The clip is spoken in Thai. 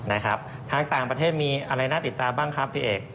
ทางต่างประเทศมีอะไรน่าติดตามบ้างครับพี่เอก